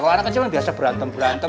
kalau orang kecil kan biasa berantem berantem